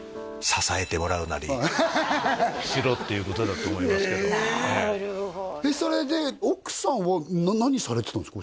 しろっていうことだと思いますけどそれで奥さんは何されてたんですか？